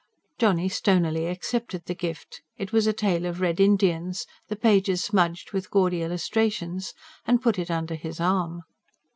Johnny stonily accepted the gift it was a tale of Red Indians, the pages smudged with gaudy illustrations and put it under his arm.